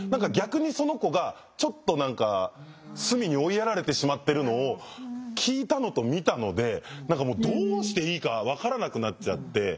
逆にその子がちょっと何か隅に追いやられてしまってるのを聞いたのと見たので何かもうどうしていいか分からなくなっちゃって。